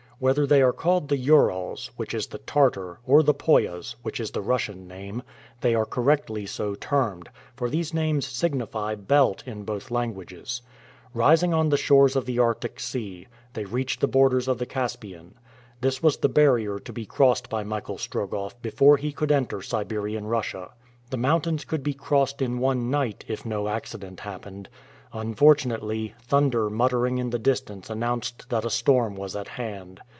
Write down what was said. Whether they are called the Urals, which is the Tartar, or the Poyas, which is the Russian name, they are correctly so termed; for these names signify "belt" in both languages. Rising on the shores of the Arctic Sea, they reach the borders of the Caspian. This was the barrier to be crossed by Michael Strogoff before he could enter Siberian Russia. The mountains could be crossed in one night, if no accident happened. Unfortunately, thunder muttering in the distance announced that a storm was at hand.